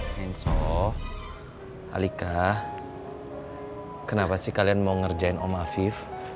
kenzo alika kenapa sih kalian mau ngerjain om afif